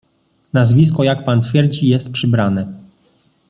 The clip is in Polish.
"Nazwisko, jak pan twierdzi, jest przybrane."